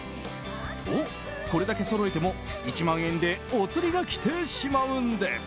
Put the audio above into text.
と、これだけそろえても１万円でお釣りが来てしまうんです。